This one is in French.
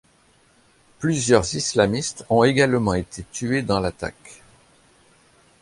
Plusieurs islamistes ont également été tués dans l'attaque.